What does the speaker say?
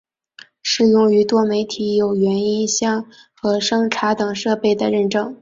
适用于多媒体有源音箱和声卡等设备的认证。